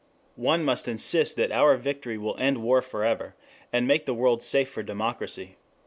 One must insist that our victory will end war forever, and make the world safe for democracy.